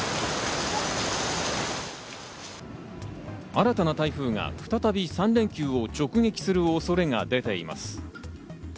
新たな台風が再び３連休を直撃する恐れが出ています。